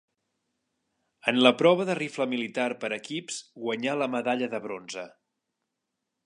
En la prova de rifle militar per equips guanyà la medalla de bronze.